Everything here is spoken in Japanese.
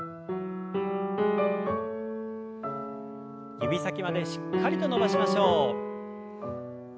指先までしっかりと伸ばしましょう。